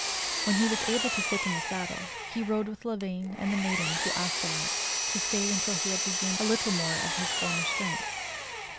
When he was able to sit in the saddle he rode with Lavaine and the maiden to Astolat to stay until he had regained a little more of his former strength.